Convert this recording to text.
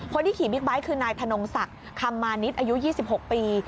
คนที่ขี่บิ๊กไบท์คือนายธนงศักดิ์คำมานิดอายุ๒๖ปี